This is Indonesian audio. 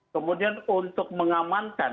kemudian untuk mengamankan